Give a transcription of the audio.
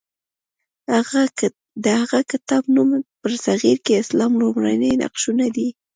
د هغه کتاب نوم برصغیر کې اسلام لومړني نقشونه دی.